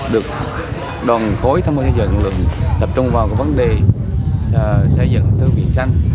được đoàn phối tham gia xây dựng lượng tập trung vào vấn đề xây dựng thư viện xanh